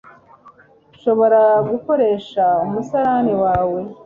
nshobora gukoresha umusarani wawe